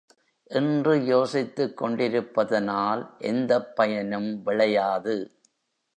என்று யோசித்துக் கொண்டிருப்பதனால் எந்தப் பயனும் விளையாது.